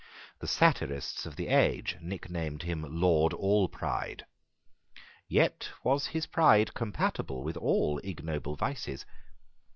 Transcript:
The satirists of the age nicknamed him Lord Allpride. Yet was his pride compatible with all ignoble vices.